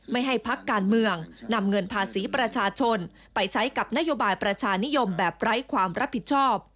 ไม่ให้พักการเมืองนำเงินภาษีประชาชนไปใช้กับนโยบายประชานิยมแบบไร้ความรับผิดชอบ